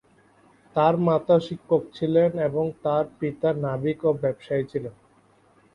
তার মাতা শিক্ষক ছিলেন এবং তার পিতা নাবিক ও ব্যবসায়ী ছিলেন।